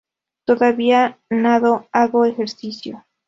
Todavía nado, hago ejercicio.